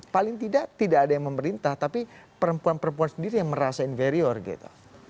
paling tidak tidak ada yang memerintah tapi perempuan perempuan sendiri yang merasa inferior gitu